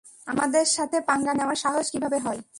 আমাদের সাথে পাঙ্গা নেওয়ার সাহস কীভাবে হয়?